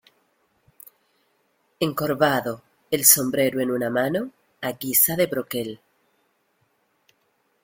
encorvado, el sombrero en una mano a guisa de broquel